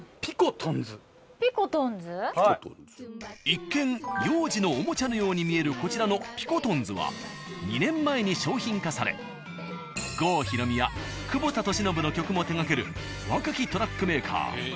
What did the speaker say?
一見幼児のおもちゃのように見えるこちらのピコトンズは２年前に商品化され郷ひろみや久保田利伸の曲も手がける若きトラックメーカー